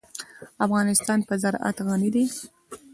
افغانستان په زراعت غني دی.